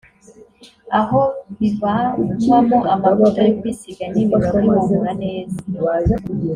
aho bivanwamo amavuta yo kwisiga n’imibavu ihumura neza